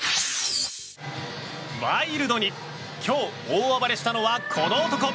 ワイルドに、今日大暴れしたのはこの男。